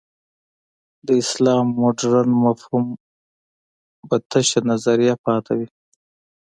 د اسلام مډرن فهم به تشه نظریه پاتې وي.